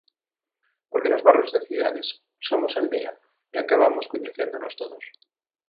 Porque nos barrios das cidades somos aldea, e acabamos coñecéndonos todos.